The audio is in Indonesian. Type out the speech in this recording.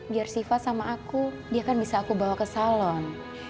biar sifat sama aku dia kan bisa aku bawa ke salon